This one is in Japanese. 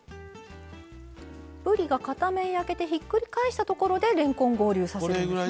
ぶりが片面焼けてひっくり返したところでれんこん合流させるんですね。